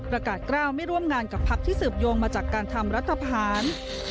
ประกาศกล้าวไม่ร่วมงานกับพักที่สืบโยงมาจากการทำรัฐพาน